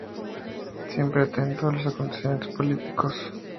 Siempre atento a los acontecimientos políticos y al quehacer distrital y nacional.